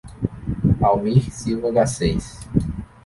Almir Silva Garcez